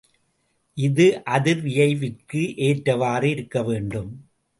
இது அதிர்வியைவிற்கு ஏற்றவாறு இருக்க வேண்டும்.